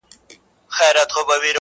• هغه وايي دلته هر څه بدل سوي او سخت دي,